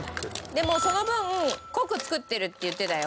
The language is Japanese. でもその分濃く作ってるって言ってたよ。